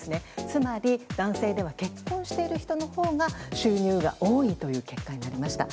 つまり、男性では結婚している人のほうが収入が多い結果になりました。